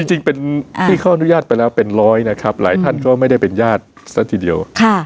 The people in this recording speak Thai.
จริงเป็นที่เขาอนุญาตไปแล้วเป็นร้อยนะครับหลายท่านก็ไม่ได้เป็นญาติซะทีเดียว